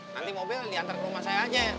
nanti mobil diantar ke rumah saya aja